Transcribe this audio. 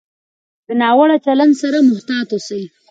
د ناوړه چلند سره محتاط اوسئ.